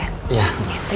aku mau pergi